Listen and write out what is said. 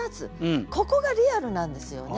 ここがリアルなんですよね。